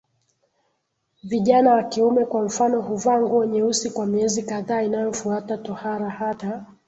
Vijana wa kiume kwa mfano huvaa nguo nyeusi kwa miezi kadhaa inayofuata tohara Hata